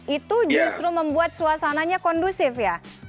itu justru membuat suasananya kondusif ya